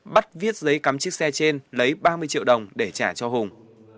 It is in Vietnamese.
bắt viết giấy cắm chiếc xe trên lấy ba mươi triệu đồng để trả cho hùng